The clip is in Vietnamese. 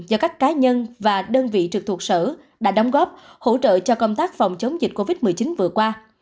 do các cá nhân và đơn vị trực thuộc sở đã đóng góp hỗ trợ cho công tác phòng chống dịch covid một mươi chín vừa qua